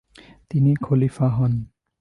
তিনি খলিফা হন।